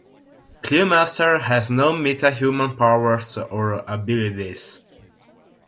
Cluemaster has no metahuman powers or abilities.